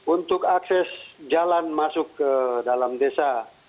untuk akses jalan masuk ke dalam desa